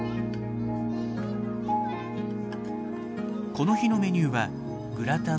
この日のメニューはグラタンとオムレツ。